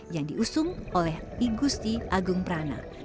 yang diusung oleh igusti agung prana